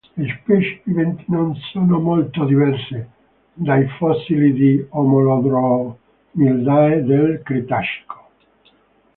Le specie viventi non sono molto diverse dai fossili di Homolodromiidae del Cretacico.